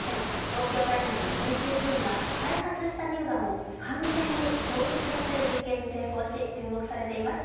東京大学の研究チームが再発した乳がんを完全に消失させる実験に成功し注目されています。